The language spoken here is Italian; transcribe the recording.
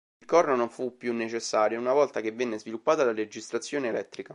Il corno non fu più necessario una volta che venne sviluppata la registrazione elettrica.